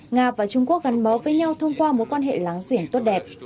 nga và trung quốc gắn bó với nhau thông qua một quan hệ láng giển tốt đẹp